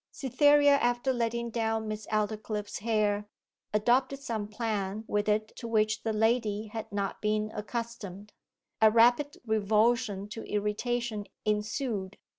Cytherea, after letting down Miss Aldclyffe's hair, adopted some plan with it to which the lady had not been accustomed. A rapid revulsion to irritation ensued.